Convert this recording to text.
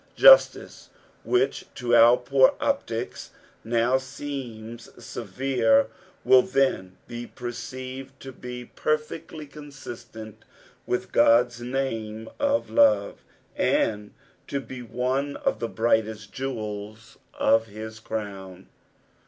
Justice which to our poor optics now seems severe, will thea be perceived to be perfectly consistent with Ood's name of love, and to be one of the brightest jewels of his crown.